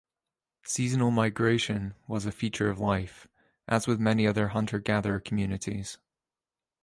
Seasonal migration was a feature of life, as with many other hunter-gatherer communities.